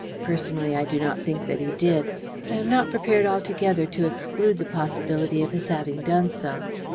Personally, I do not think that he did, but I am not prepared altogether to exclude the possibility of his having done so.